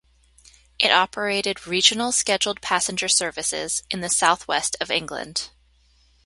It operated regional scheduled passenger services in the South West of England.